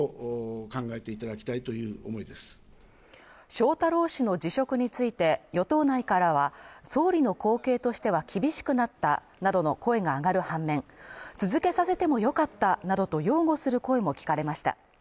翔太郎氏の辞職について、与党内からは総理の後継としては厳しくなったなどの声が上がる反面、続けさせてもよかったなどと擁護する声も聞かれました。